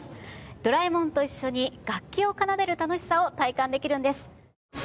ドラえもんと一緒に楽器を奏でる楽しさを体感できるんです。